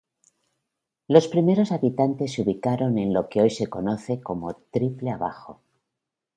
Los primeros habitantes se ubicaron en lo que hoy se conoce como Tiple Abajo.